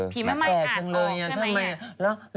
แปลกจังเลยไง